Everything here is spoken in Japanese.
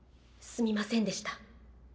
すみませんでした。